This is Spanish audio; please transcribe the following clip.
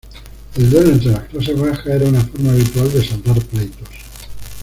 El duelo entre las clases bajas era una forma habitual de saldar pleitos.